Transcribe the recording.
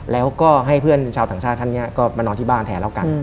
แล้วก็ให้เพื่อนชาวต่างชาติท่านนี้ก็มานอนที่บ้านแทนแล้วกัน